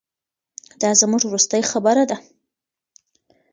دا زموږ وروستۍ خبره ده.